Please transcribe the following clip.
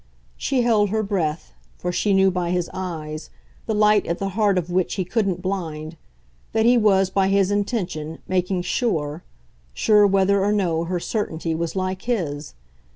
She held her breath, for she knew by his eyes, the light at the heart of which he couldn't blind, that he was, by his intention, making sure sure whether or no her certainty was like his.